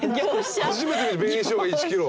初めて見る紅しょうが１ｋｇ。